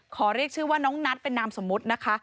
เรียกชื่อว่าน้องนัทเป็นนามสมมุตินะคะ